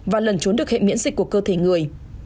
và lần trốn được hệ miễn dịch của cơ thể người